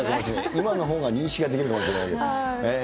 今のほうが認識ができるかもしれない。